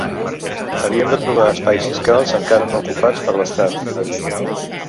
Havíem de trobar espais fiscals encara no ocupats per l’estat, ha dit.